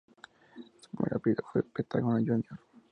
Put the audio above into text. Su primer episodio fue Pentagón Jr.